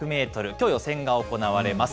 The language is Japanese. きょう予選が行われます。